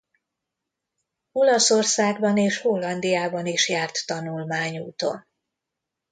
Olaszországban és Hollandiában is járt tanulmányúton.